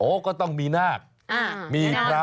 โอ้ก็ต้องมีนาฬ